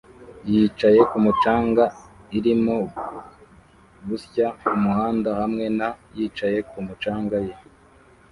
Yicaye kumu canga irimo gusya kumuhanda hamwe na yicaye kumu canga ye